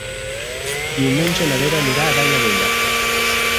Diumenge na Vera anirà a Daia Vella.